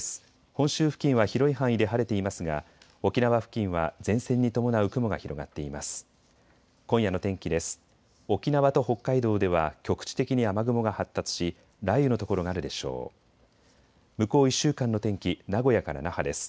本州付近は広い範囲で晴れていますが沖縄付近は前線に伴う雲が広がっています。